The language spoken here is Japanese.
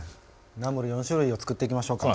ナムル４種類をつくっていきましょうか。